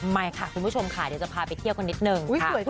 ไม่ค่ะคุณผู้ชมค่ะเดี๋ยวจะพาไปเที่ยวกันนิดนึง